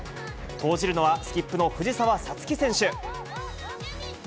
投じるのは、スキップの藤澤五月選手。